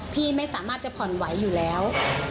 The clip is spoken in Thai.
พี่ไม่สามารถจะผ่อนไหวอยู่แล้ว